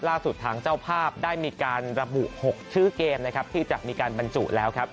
ล่าสุดทางเจ้าภาพได้มีการระบุ๖ชื่อเกมนะครับที่จะมีการบรรจุแล้วครับ